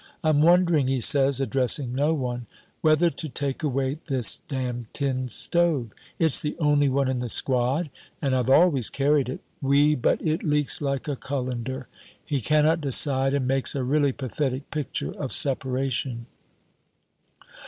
"I'm wondering," he says, addressing no one, "whether to take away this damned tin stove. It's the only one in the squad and I've always carried it. Oui, but it leaks like a cullender." He cannot decide, and makes a really pathetic picture of separation.